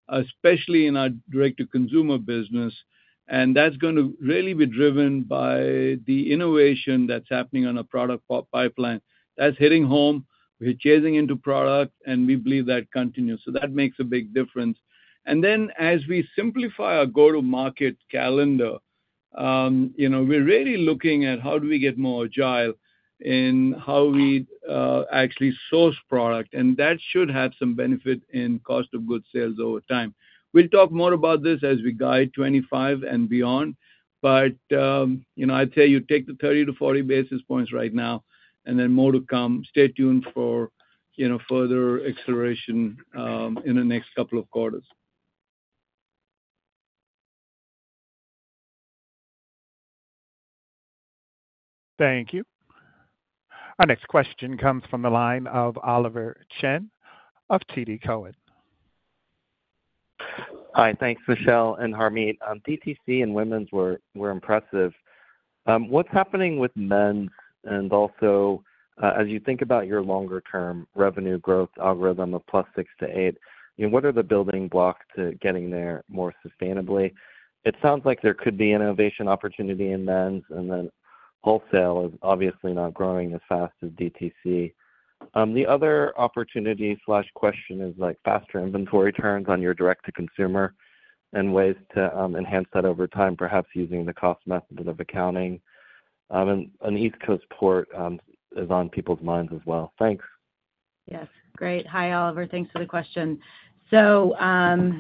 especially in our direct-to-consumer business, and that's going to really be driven by the innovation that's happening on a product pipeline. That's hitting home, we're chasing into product, and we believe that continues. So that makes a big difference. And then, as we simplify our go-to-market calendar, you know, we're really looking at how do we get more agile in how we actually source product, and that should have some benefit in cost of goods sales over time. We'll talk more about this as we guide 2025 and beyond, but, you know, I'd tell you, take the 30-40 basis points right now, and then more to come. Stay tuned for, you know, further acceleration, in the next couple of quarters. Thank you. Our next question comes from the line of Oliver Chen of TD Cowen. Hi, thanks, Michelle and Harmit. On DTC and women's were impressive. What's happening with men? And also, as you think about your longer term revenue growth algorithm of plus six to eight, you know, what are the building blocks to getting there more sustainably? It sounds like there could be innovation opportunity in men's, and then wholesale is obviously not growing as fast as DTC. The other opportunity/question is, like, faster inventory turns on your direct-to-consumer and ways to enhance that over time, perhaps using the cost method of accounting. And an East Coast port is on people's minds as well. Thanks. Yes. Great. Hi, Oliver. Thanks for the question. So,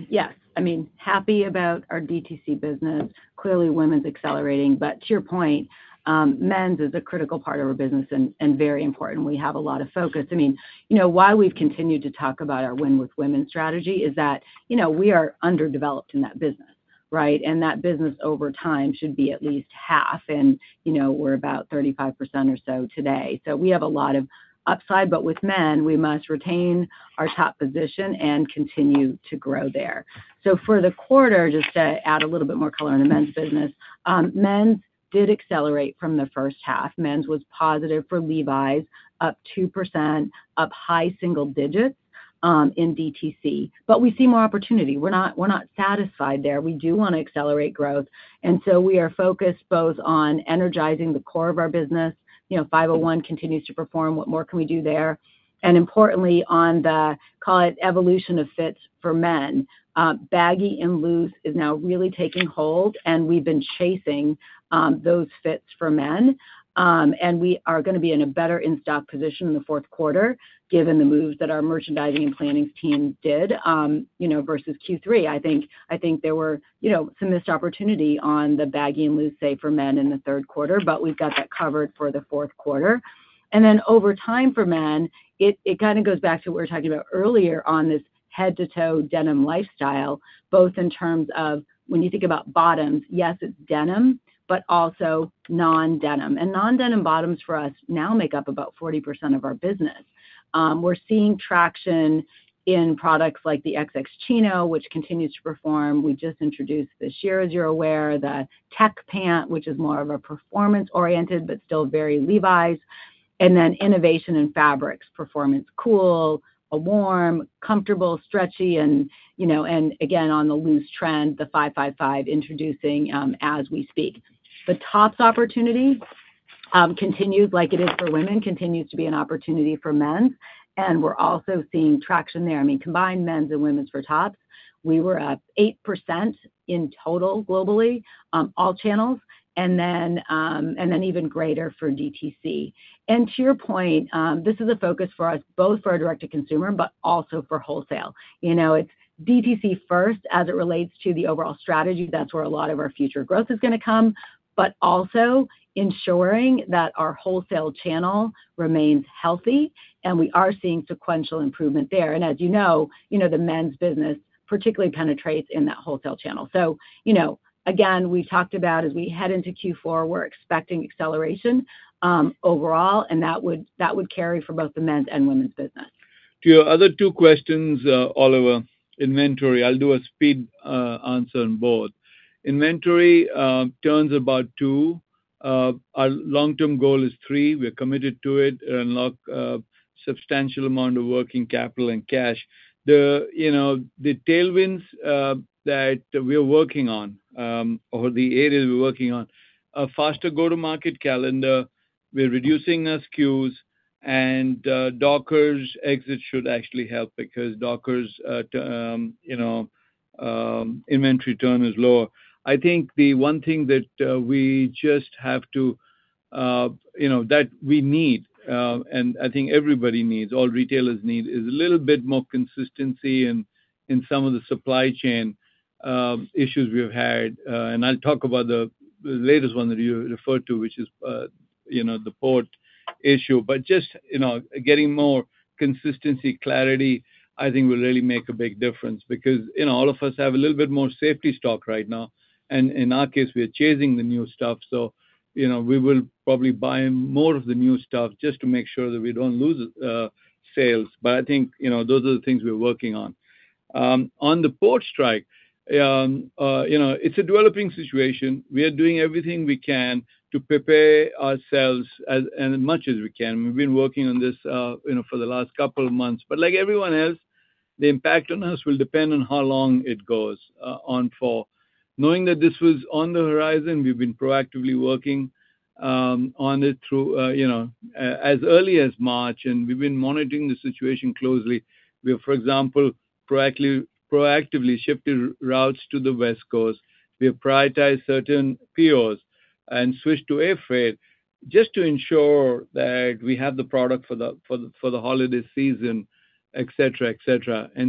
yes, I mean, happy about our DTC business. Clearly, women's accelerating, but to your point, men's is a critical part of our business and very important. We have a lot of focus. I mean, you know, why we've continued to talk about our Win with Women strategy is that, you know, we are underdeveloped in that business, right? And that business, over time, should be at least half, and, you know, we're about 35% or so today. So we have a lot of upside, but with men, we must retain our top position and continue to grow there. So for the quarter, just to add a little bit more color on the men's business, men's did accelerate from the first half. Men's was positive for Levi's, up 2%, up high single digits in DTC. But we see more opportunity. We're not, we're not satisfied there. We do wanna accelerate growth, and so we are focused both on energizing the core of our business. You know, 501 continues to perform. What more can we do there? And importantly, on the, call it evolution of fits for men, baggy and loose is now really taking hold, and we've been chasing those fits for men. And we are gonna be in a better in-stock position in the fourth quarter, given the moves that our merchandising and planning team did, you know, versus Q3. I think, I think there were, you know, some missed opportunity on the baggy and loose, say, for men in the third quarter, but we've got that covered for the fourth quarter. And then over time for men, it kind of goes back to what we were talking about earlier on this head-to-toe denim lifestyle, both in terms of when you think about bottoms, yes, it's denim, but also non-denim. And non-denim bottoms for us now make up about 40% of our business. We're seeing traction in products like the XX Chino, which continues to perform. We just introduced the Chino, as you're aware, the Tech Pant, which is more of a performance-oriented but still very Levi's, and then innovation in fabrics: Performance Cool, a warm, comfortable, stretchy, and, you know, and again, on the loose trend, the 555, introducing, as we speak. The tops opportunity continued like it is for women, continues to be an opportunity for men, and we're also seeing traction there. I mean, combined men's and women's for tops, we were up 8% in total globally, all channels, and then and then even greater for DTC. And to your point, this is a focus for us, both for our direct-to-consumer, but also for wholesale. You know, it's DTC first as it relates to the overall strategy. That's where a lot of our future growth is gonna come, but also ensuring that our wholesale channel remains healthy, and we are seeing sequential improvement there. And as you know, the men's business particularly penetrates in that wholesale channel. So, you know, again, we talked about as we head into Q4, we're expecting acceleration overall, and that would carry for both the men's and women's business. To your other two questions, Oliver, inventory, I'll do a speed answer on both. Inventory turns about two. Our long-term goal is three. We're committed to it, unlock a substantial amount of working capital and cash. The, you know, the tailwinds that we're working on, or the areas we're working on, a faster go-to-market calendar, we're reducing SKUs, and Dockers exit should actually help because Dockers' inventory turn is lower. I think the one thing that we just have to, you know, that we need, and I think everybody needs, all retailers need, is a little bit more consistency in some of the supply chain issues we have had. I'll talk about the latest one that you referred to, which is, you know, the port issue. But just, you know, getting more consistency, clarity, I think will really make a big difference because, you know, all of us have a little bit more safety stock right now, and in our case, we are chasing the new stuff. So, you know, we will probably buy more of the new stuff just to make sure that we don't lose sales. But I think, you know, those are the things we're working on. On the port strike, you know, it's a developing situation. We are doing everything we can to prepare ourselves as much as we can. We've been working on this, you know, for the last couple of months, but like everyone else, the impact on us will depend on how long it goes on for. Knowing that this was on the horizon, we've been proactively working on it through, you know, as early as March, and we've been monitoring the situation closely. We have, for example, proactively shifted routes to the West Coast. We have prioritized certain POs and switched to air freight just to ensure that we have the product for the holiday season, et cetera.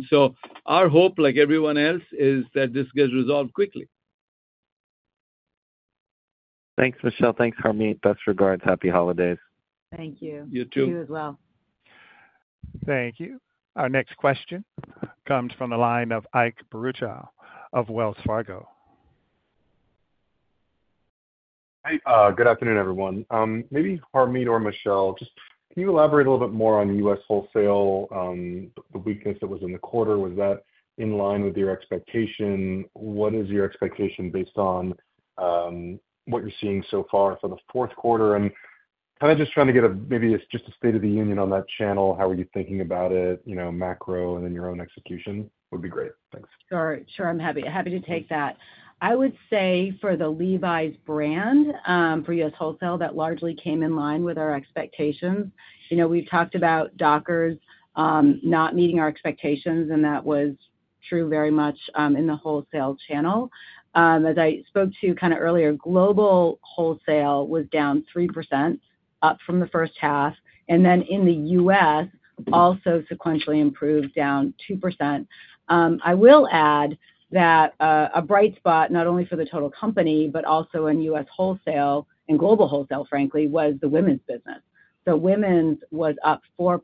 So our hope, like everyone else, is that this gets resolved quickly. ... Thanks, Michelle. Thanks, Harmit. Best regards. Happy holidays! Thank you. You, too. You as well. Thank you. Our next question comes from the line of Ike Boruchow of Wells Fargo. Hi, good afternoon, everyone. Maybe Harmit or Michelle, just can you elaborate a little bit more on U.S. wholesale, the weakness that was in the quarter? Was that in line with your expectation? What is your expectation based on, what you're seeing so far for the fourth quarter? And kind of just trying to get a, maybe it's just a state of the union on that channel. How are you thinking about it, you know, macro, and then your own execution, would be great. Thanks. Sure, sure. I'm happy to take that. I would say for the Levi's brand, for U.S. wholesale, that largely came in line with our expectations. You know, we've talked about Dockers, not meeting our expectations, and that was true very much, in the wholesale channel. As I spoke to kind of earlier, global wholesale was down 3%, up from the first half, and then in the U.S., also sequentially improved, down 2%. I will add that, a bright spot, not only for the total company, but also in U.S. wholesale and global wholesale, frankly, was the women's business. So women's was up 4%,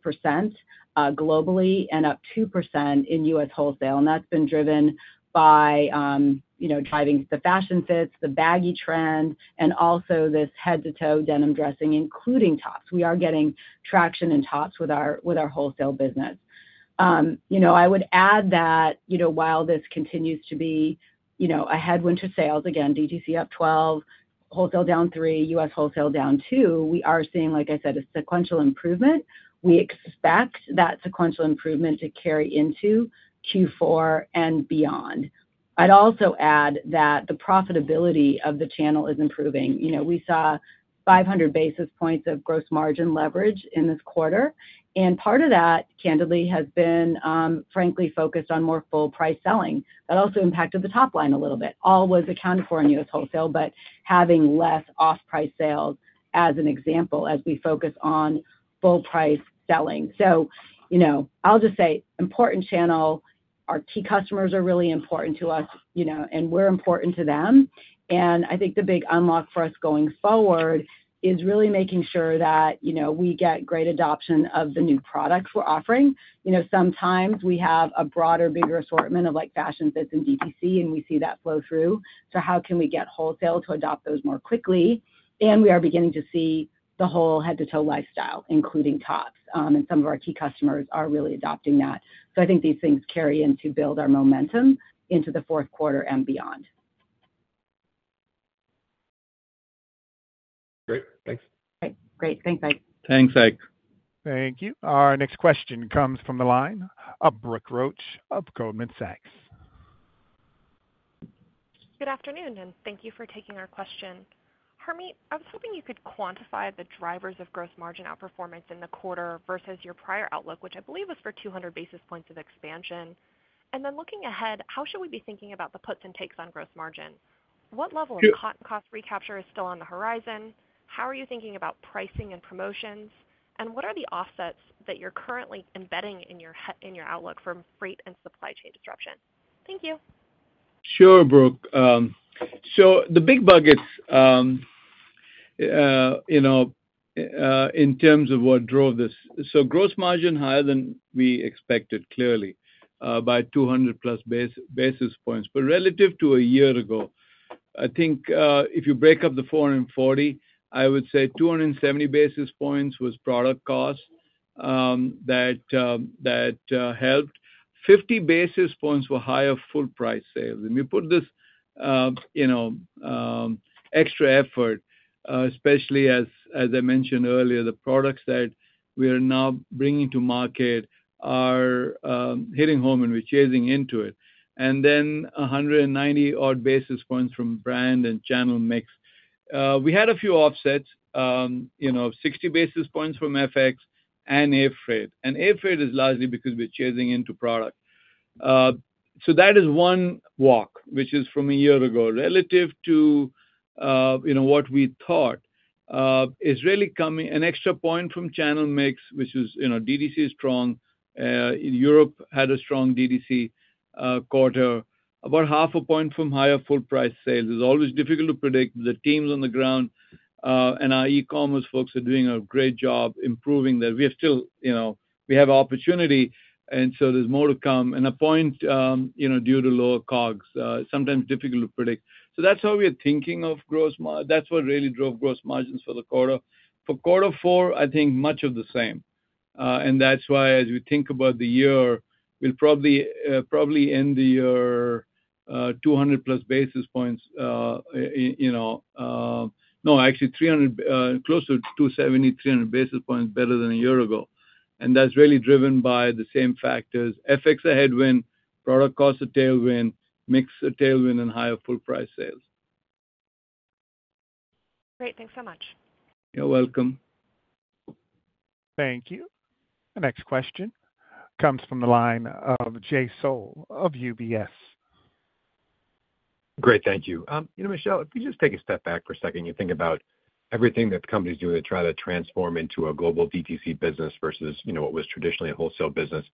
globally and up 2% in U.S. wholesale, and that's been driven by, you know, driving the fashion fits, the baggy trend, and also this head-to-toe denim dressing, including tops. We are getting traction in tops with our wholesale business. You know, I would add that, you know, while this continues to be, you know, a headwind to sales, again, DTC up 12, wholesale down 3, U.S. wholesale down 2, we are seeing, like I said, a sequential improvement. We expect that sequential improvement to carry into Q4 and beyond. I'd also add that the profitability of the channel is improving. You know, we saw 500 basis points of gross margin leverage in this quarter, and part of that, candidly, has been, frankly, focused on more full price selling. That also impacted the top line a little bit. All was accounted for in U.S. wholesale, but having less off-price sales, as an example, as we focus on full price selling. So you know, I'll just say, important channel. Our key customers are really important to us, you know, and we're important to them, and I think the big unlock for us going forward is really making sure that, you know, we get great adoption of the new products we're offering. You know, sometimes we have a broader, bigger assortment of, like, fashion fits in DTC, and we see that flow through, so how can we get wholesale to adopt those more quickly, and we are beginning to see the whole head-to-toe lifestyle, including tops, and some of our key customers are really adopting that, so I think these things carry in to build our momentum into the fourth quarter and beyond. Great. Thanks. Great. Great. Thanks, Ike. Thanks, Ike. Thank you. Our next question comes from the line of Brooke Roach of Goldman Sachs. Good afternoon, and thank you for taking our question. Harmit, I was hoping you could quantify the drivers of gross margin outperformance in the quarter versus your prior outlook, which I believe was for two hundred basis points of expansion. And then looking ahead, how should we be thinking about the puts and takes on gross margin? What level of cotton cost recapture is still on the horizon? How are you thinking about pricing and promotions, and what are the offsets that you're currently embedding in your outlook for freight and supply chain disruption? Thank you. Sure, Brooke. So the big buckets, you know, in terms of what drove this, so gross margin higher than we expected, clearly, by two hundred plus basis points. But relative to a year ago, I think, if you break up the four hundred and forty, I would say two hundred and seventy basis points was product cost, that helped. Fifty basis points were higher full price sales. And we put this, you know, extra effort, especially as I mentioned earlier, the products that we are now bringing to market are hitting home, and we're chasing into it. And then a hundred and ninety odd basis points from brand and channel mix. We had a few offsets, you know, sixty basis points from FX and air freight. Air freight is largely because we're chasing into product. So that is one walk, which is from a year ago. Relative to, you know, what we thought, it's really coming an extra point from channel mix, which is, you know, DTC is strong, and Europe had a strong DTC quarter. About half a point from higher full price sales. It's always difficult to predict. The teams on the ground, and our e-commerce folks are doing a great job improving that. We still have opportunity, and so there's more to come. A point, you know, due to lower COGS, sometimes difficult to predict. So that's how we are thinking of gross margins. That's what really drove gross margins for the quarter. For quarter four, I think much of the same. That's why as we think about the year, we'll probably end the year 200-plus basis points better than a year ago. No, actually 300, closer to 270, 300 basis points better than a year ago. And that's really driven by the same factors, FX a headwind, product cost a tailwind, mix a tailwind and higher full price sales. Great. Thanks so much. You're welcome. Thank you. The next question comes from the line of Jay Sole of UBS. Great, thank you. You know, Michelle, if you just take a step back for a second and you think about-... everything that the company's doing to try to transform into a global DTC business versus, you know, what was traditionally a wholesale business,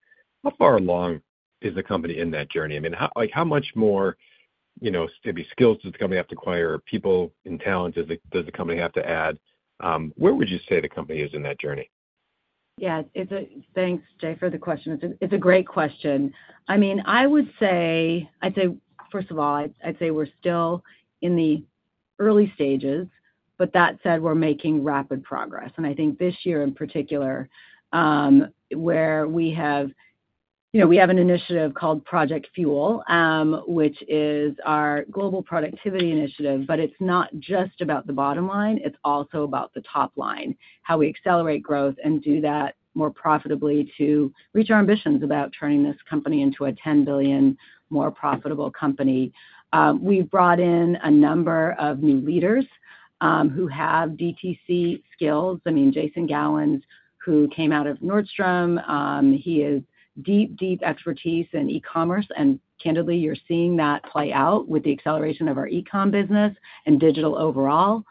how far along is the company in that journey? I mean, how, like, how much more, you know, maybe skills does the company have to acquire, people and talent does the company have to add? Where would you say the company is in that journey? Yeah, thanks, Jay, for the question. It's a great question. I mean, I'd say, first of all, we're still in the early stages, but that said, we're making rapid progress. And I think this year in particular, where we have, you know, an initiative called Project Fuel, which is our global productivity initiative, but it's not just about the bottom line, it's also about the top line, how we accelerate growth and do that more profitably to reach our ambitions about turning this company into a ten billion more profitable company. We've brought in a number of new leaders, who have DTC skills. I mean, Jason Gowans, who came out of Nordstrom, he has deep, deep expertise in e-commerce, and candidly, you're seeing that play out with the acceleration of our e-com business and digital overall.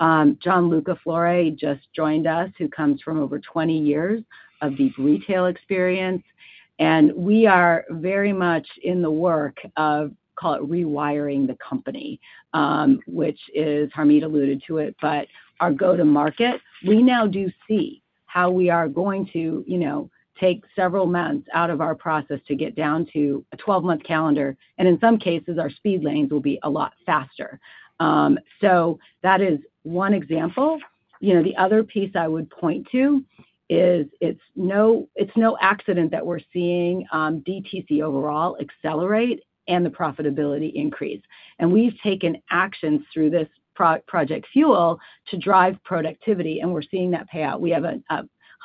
Gianluca Flore just joined us, who comes from over twenty years of deep retail experience, and we are very much in the work of, call it, rewiring the company, which is, Harmit alluded to it, but our go-to-market, we now do see how we are going to, you know, take several months out of our process to get down to a twelve-month calendar, and in some cases, our speed lanes will be a lot faster, so that is one example. You know, the other piece I would point to is it's no, it's no accident that we're seeing DTC overall accelerate and the profitability increase. We've taken actions through this Project Fuel to drive productivity, and we're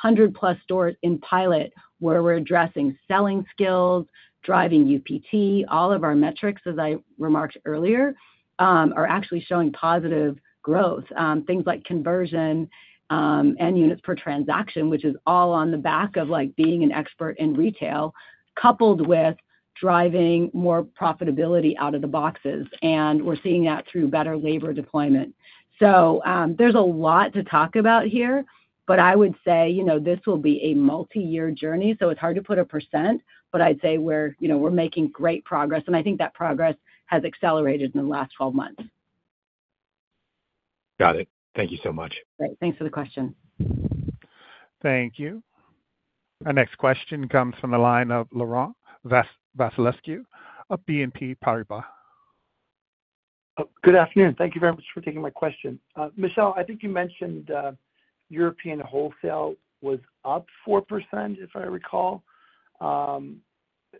seeing that pay out. We have a hundred-plus stores in pilot where we're addressing selling skills, driving UPT. All of our metrics, as I remarked earlier, are actually showing positive growth. Things like conversion and units per transaction, which is all on the back of, like, being an expert in retail, coupled with driving more profitability out of the boxes, and we're seeing that through better labor deployment. There's a lot to talk about here, but I would say, you know, this will be a multi-year journey, so it's hard to put a percent, but I'd say we're, you know, we're making great progress, and I think that progress has accelerated in the last 12 months. Got it. Thank you so much. Great. Thanks for the question. Thank you. Our next question comes from the line of Laurent Vasilescu of BNP Paribas. Good afternoon. Thank you very much for taking my question. Michelle, I think you mentioned European wholesale was up 4%, if I recall.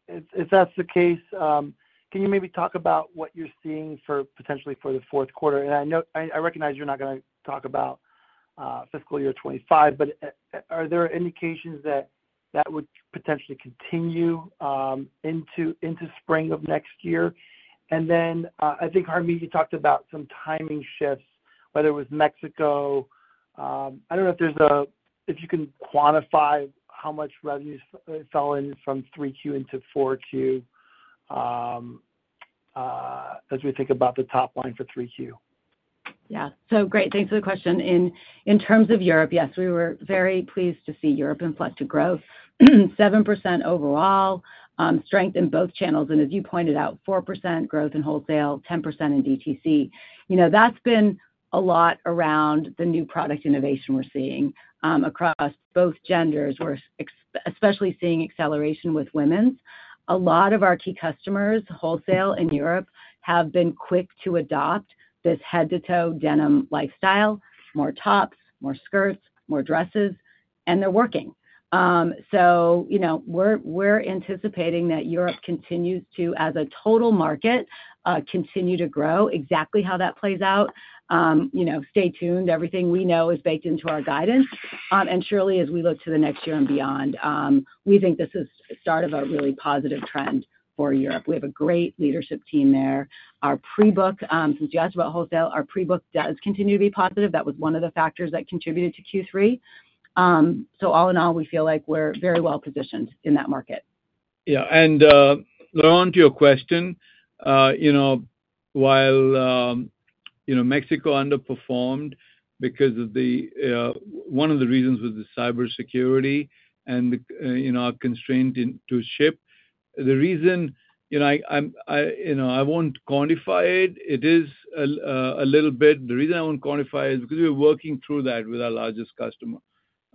If that's the case, can you maybe talk about what you're seeing for potentially for the fourth quarter? And I know I recognize you're not gonna talk about fiscal year 2025, but are there indications that that would potentially continue into spring of next year? And then, I think, Harmit, you talked about some timing shifts, whether it was Mexico. I don't know if there's a... If you can quantify how much revenues fell in from Q3 into Q4, as we think about the top line for Q3. Yeah. So great, thanks for the question. In terms of Europe, yes, we were very pleased to see Europe inflect to growth. 7% overall, strength in both channels, and as you pointed out, 4% growth in wholesale, 10% in DTC. You know, that's been a lot around the new product innovation we're seeing across both genders. We're especially seeing acceleration with women's. A lot of our key customers, wholesale in Europe, have been quick to adopt this head-to-toe denim lifestyle, more tops, more skirts, more dresses, and they're working. So you know, we're anticipating that Europe continues to, as a total market, continue to grow. Exactly how that plays out, you know, stay tuned. Everything we know is baked into our guidance. And surely, as we look to the next year and beyond, we think this is the start of a really positive trend for Europe. We have a great leadership team there. Our pre-book from Jack & Jones Wholesale does continue to be positive. That was one of the factors that contributed to Q3. So all in all, we feel like we're very well positioned in that market. Yeah, and, Laurent, to your question, you know, while, you know, Mexico underperformed because of the... One of the reasons was the cybersecurity and the, you know, our constraint in to ship. The reason, you know, I won't quantify it. It is a, a little bit, the reason I won't quantify it is because we're working through that with our largest customer.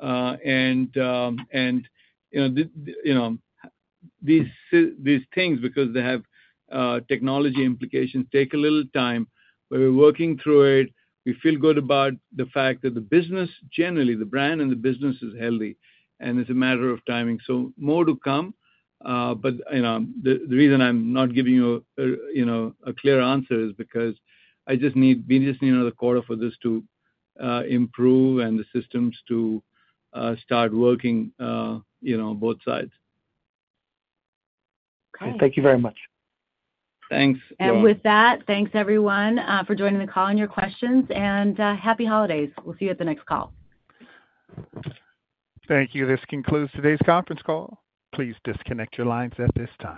And, you know, the, you know, these things, because they have technology implications, take a little time, but we're working through it. We feel good about the fact that the business, generally, the brand and the business is healthy, and it's a matter of timing. So more to come, but, you know, the reason I'm not giving you a, you know, a clear answer is because I just need- we just need another quarter for this to improve and the systems to start working, you know, on both sides. Thank you very much. Thanks, Laurent. And with that, thanks, everyone, for joining the call and your questions, and happy holidays. We'll see you at the next call. Thank you. This concludes today's conference call. Please disconnect your lines at this time.